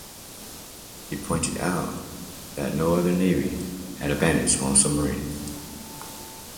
He pointed out that no other navy had abandoned small submarines.